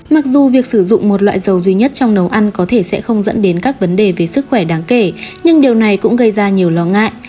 mặc dù việc sử dụng một loại dầu duy nhất trong nấu ăn có thể sẽ không dẫn đến các vấn đề về sức khỏe đáng kể nhưng điều này cũng gây ra nhiều lo ngại